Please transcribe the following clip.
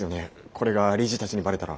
これが理事たちにバレたら。